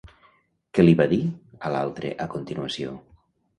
Què li va dir a l'altre a continuació?